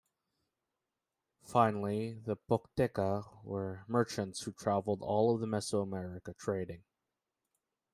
Finally, the "pochteca" were merchants who traveled all of Mesoamerica trading.